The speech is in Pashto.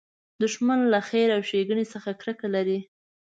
دښمن له خیر او ښېګڼې څخه کرکه لري